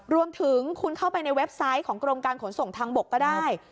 รวมถึงคุณเข้าไปในเว็บไซต์ของกรมการขนส่งทางบกก็ได้